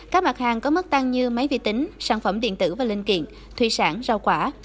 các mặt hàng có mức tăng như máy vi tính sản phẩm điện tử và linh kiện thủy sản rau quả